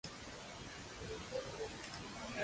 Dzimis Jesipovskas ciemā Piņegas krastā Arhangeļskas guberņā.